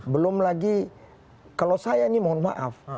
belum lagi kalau saya ini mohon maaf